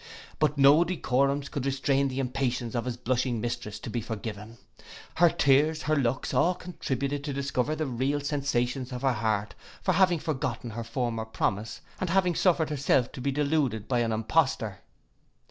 But no decorums could restrain the impatience of his blushing mistress to be forgiven. Her tears, her looks, all contributed to discover the real sensations of her heart for having forgotten her former promise and having suffered herself to be deluded by an impostor.